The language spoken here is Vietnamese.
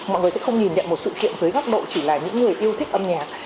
mọi người sẽ không nhìn nhận một sự kiện dưới góc độ chỉ là những người yêu thích âm nhạc